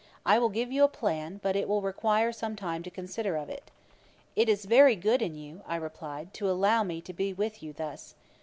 I will give you a plan; but it will require some time to consider of it.' 'It is very good in you (I replied,) to allow me to be with you thus.